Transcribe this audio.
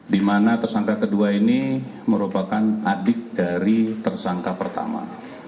di mana tersangka kedua ini merupakan adik dari tersangka pertama